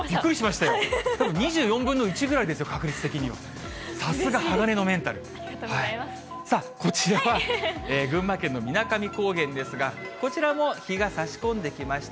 たぶん、２４分の１ぐらいですよ、確率的には。ありがとうございます。さあ、こちらは群馬県の水上高原ですが、こちらも日がさし込んできました。